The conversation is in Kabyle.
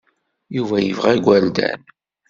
Yuba yebɣa igerdan.